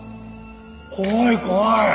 怖い怖い！